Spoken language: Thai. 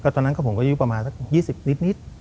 ตอนนั้นผมก็อายุประมาณสัก๒๐นิด